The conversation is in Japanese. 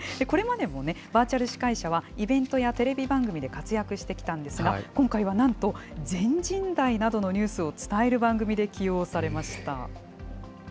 これまでもね、バーチャル司会者はイベントやテレビ番組で活躍してきたんですが、今回はなんと、全人代などのニュースを伝える番組で起用されました。